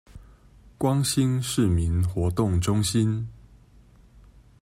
光興市民活動中心